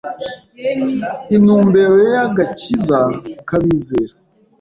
intumbero ya agakiza k’abizera